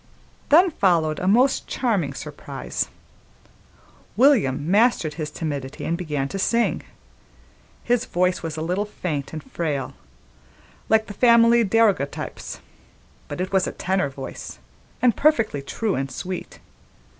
Then followed a most charming surprise. William mastered his timidity and began to sing. His voice was a little faint and frail, like the family daguerreotypes, but it was a tenor voice, and perfectly true and sweet.